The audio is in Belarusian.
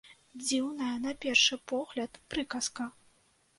Дзіўная, на першы погляд, прыказка.